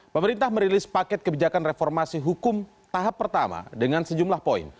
pemerintah merilis paket kebijakan reformasi hukum tahap pertama dengan sejumlah poin